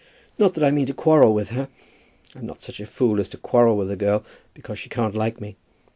Not that I mean to quarrel with her. I'm not such a fool as to quarrel with a girl because she can't like me.